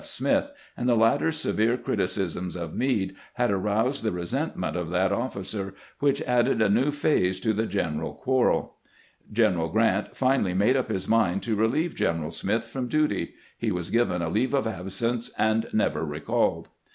F. Smith, and the latter's severe criticisms of Meade had aroused the resentment of that officer, which added a new phase to the general quarrel. General Grant finally made up his mind to relieve Gen 246 CAMPAIGNING WITH GBANT eral Smith from duty ; he was given a leave of absence, and never recalled.